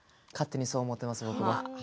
勝手にそう思っています僕は。